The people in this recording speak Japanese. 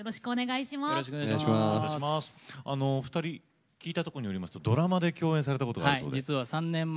お二人聞いたところによりますとドラマで共演されたことがあるそうですね。